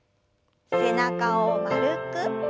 背中を丸く。